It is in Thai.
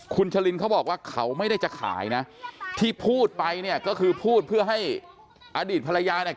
คุณชะลินเขาบอกว่าเขาไม่ได้จะขายนะที่พูดไปเนี่ยก็คือพูดเพื่อให้อดีตภรรยาเนี่ย